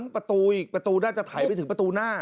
ประตูอีกประตูน่าจะไถไปถึงประตูหน้า